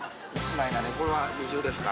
これは二重ですか？